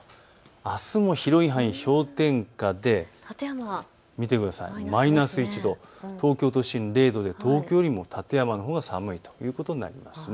あすも広い範囲、氷点下で館山マイナス１度、東京都心０度で東京よりも館山が寒いということになります。